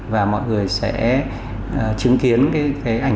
và mọi người sẽ chứng kiến ảnh hưởng của hai xu hướng đấy